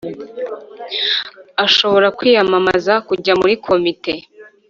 Ashobora kwiyamamaza kujya muri komite